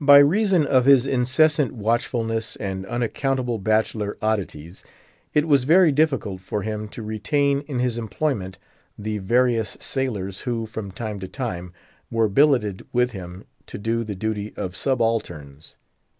By reason of his incessant watchfulness and unaccountable bachelor oddities, it was very difficult for him to retain in his employment the various sailors who, from time to time, were billeted with him to do the duty of subalterns.